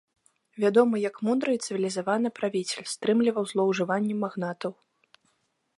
Вядомы як мудры і цывілізаваны правіцель, стрымліваў злоўжыванні магнатаў.